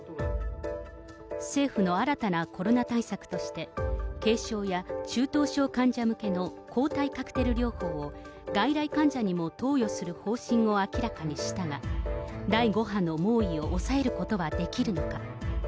政府の新たなコロナ対策として、軽症や中等症患者向けの抗体カクテル療法を、外来患者にも投与する方針を明らかにしたが、第５波の猛威を抑えることはできるのか。